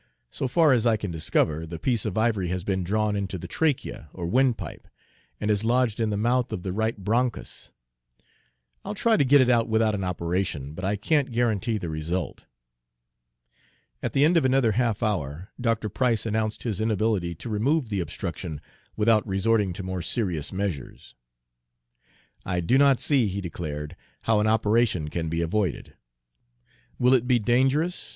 "So far as I can discover, the piece of ivory has been drawn into the trachea, or windpipe, and has lodged in the mouth of the right bronchus. I'll try to get it out without an operation, but I can't guarantee the result." At the end of another half hour Dr. Price announced his inability to remove the obstruction without resorting to more serious measures. "I do not see," he declared, "how an operation can be avoided." "Will it be dangerous?"